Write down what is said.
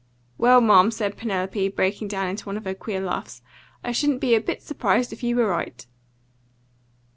"Well, ma'am," said Penelope, breaking down in one of her queer laughs, "I shouldn't be a bit surprised if you were right."